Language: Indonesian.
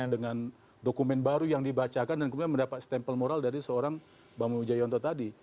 dengan dokumen baru yang dibacakan dan kemudian mendapat stempel moral dari seorang bambang wijayanto tadi